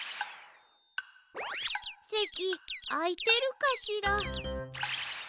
せきあいてるかしら？